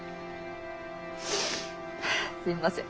すいません